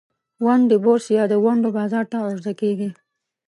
ونډې بورس یا د ونډو بازار ته عرضه کیږي.